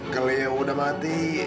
kalian udah mati